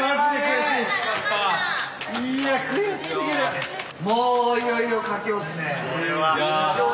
もういよいよ佳境ですね。